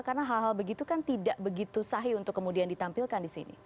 karena hal hal begitu kan tidak begitu sahi untuk kemudian ditampilkan di sini